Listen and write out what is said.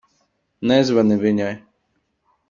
Nezvani viņai.